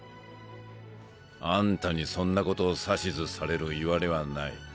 あんたにそんなことを指図されるいわれはない。